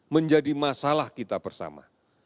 menjadi masalah kita bersama